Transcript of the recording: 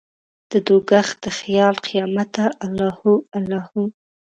ددوږخ د خیال قیامته الله هو، الله هو